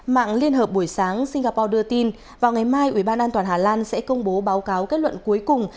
mạng liên hợp buổi sáng singapore đưa tin vào ngày mai ủy ban an toàn hà lan sẽ công bố báo cáo kết luận cuối cùng